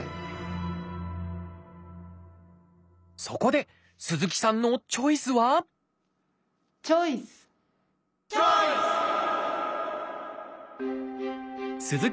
そこで鈴木さんのチョイスはチョイス！